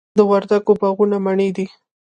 د وردګو باغونه مڼې دي